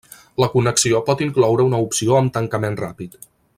La connexió pot incloure una opció amb tancament ràpid.